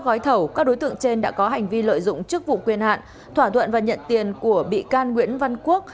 gói thầu các đối tượng trên đã có hành vi lợi dụng chức vụ quyền hạn thỏa thuận và nhận tiền của bị can nguyễn văn quốc